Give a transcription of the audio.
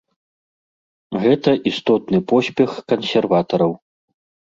Гэта істотны поспех кансерватараў.